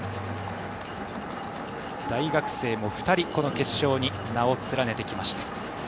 大学生も２人この決勝に名を連ねてきました。